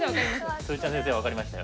つるちゃん先生分かりましたよ。